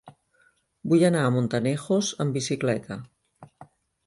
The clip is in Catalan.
Vull anar a Montanejos amb bicicleta.